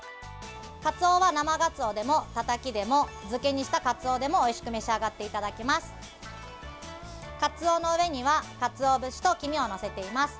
カツオは生ガツオでもたたきでも漬けにしたカツオでもおいしく召し上がっていただけます。